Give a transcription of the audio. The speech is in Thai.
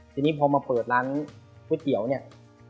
ทีนี้พอมาเปิดร้านก๋วยเตี๋ยวเนี่ย